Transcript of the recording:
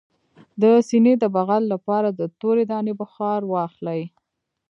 د سینې د بغل لپاره د تورې دانې بخار واخلئ